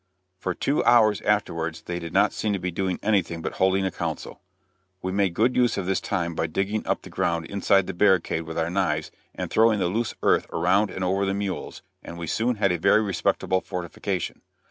For two hours afterwards they did not seem to be doing anything but holding a council. We made good use of this time by digging up the ground inside the barricade with our knives and throwing the loose earth around and over the mules, and we soon had a very respectable fortification.